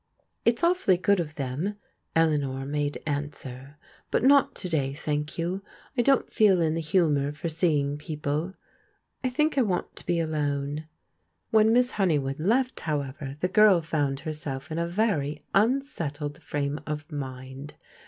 " It's awfully good of them," Eleanor made answer, " but not to day, thank you. I don't feel in the humour for seeing people. I think I want to be alone." When Miss Honeywood left, however, the girl found herself in a very unsettled frame of mind.